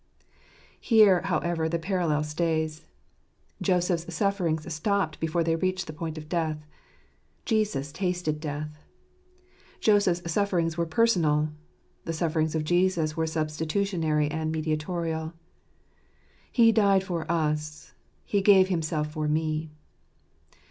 Here y however , the parallel stays. Joseph's sufferings stopped before they reached the point of death ; Jesus tasted death. Joseph's sufferings were personal; the sufferings of Jesus were substitutionary and mediatorial ;" He died for us ;"" He gave Himself for me."